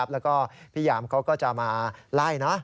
แล้วก็พี่ยามเขาก็จะมาไล่นะ